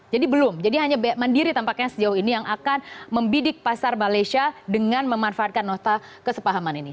belum jadi hanya mandiri tampaknya sejauh ini yang akan membidik pasar malaysia dengan memanfaatkan nota kesepahaman ini